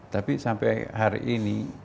tapi sampai hari ini